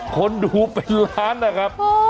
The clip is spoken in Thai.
คนดูเป็นล้านนะครับ